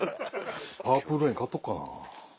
『パープル・レイン』買っとくかな。